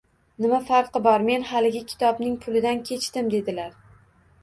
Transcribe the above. Nima farqi bor?! Men xaligi kitobning pulidan kechdim – dedilar.